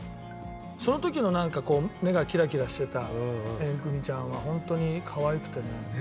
その時のなんかこう目がキラキラしてたエンクミちゃんはホントにかわいくてね。